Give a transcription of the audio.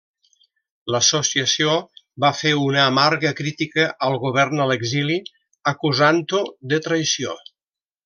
L'Associació va fer una amarga crítica al govern a l'exili, acusant-ho de traïció.